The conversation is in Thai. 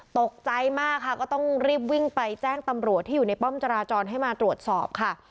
ตกใจมากค่ะก็ต้องรีบวิ่งไปแจ้งตำรวจที่อยู่ในป้อมจราจรให้มาตรวจสอบค่ะ